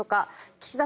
岸田